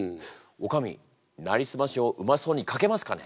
おかみ「なりすまし」をうまそうに書けますかね？